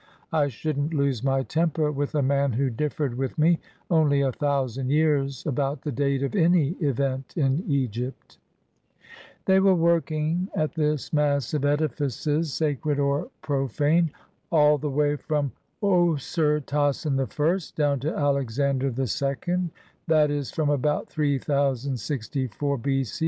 I should n't lose my temper with a man who differed with me only a thousand years about the date of any event in Eg}^t. They were working at this mass of edifices, sacred or profane, all the way from Osirtasen I down to Alexan der II ; that is from about 3064 B.C.